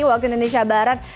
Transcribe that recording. waktu indonesia barat